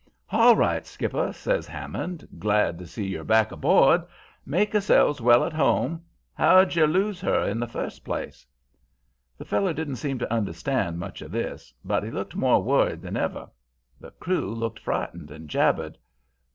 "'Hall right, skipper,' says Hammond; 'glad to see yer back haboard. Make yerselves well at 'ome. 'Ow d' yer lose er in the first place?' "The feller didn't seem to understand much of this, but he looked more worried than ever. The crew looked frightened, and jabbered.